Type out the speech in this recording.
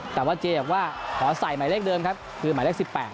แต่ว่าเจบอกว่าขอใส่หมายเลขเดิมครับคือหมายเลข๑๘